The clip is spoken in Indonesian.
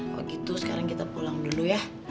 kalau gitu sekarang kita pulang dulu ya